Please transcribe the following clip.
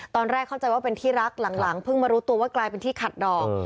ตอนแรกเข้าใจว่าเป็นที่รักหลังเพิ่งมารู้ตัวว่ากลายเป็นที่ขัดดอก